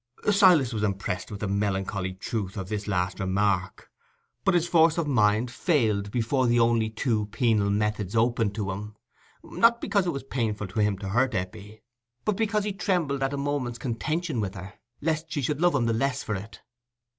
Silas was impressed with the melancholy truth of this last remark; but his force of mind failed before the only two penal methods open to him, not only because it was painful to him to hurt Eppie, but because he trembled at a moment's contention with her, lest she should love him the less for it.